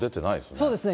そうですね、